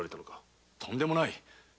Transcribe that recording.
とんでもない！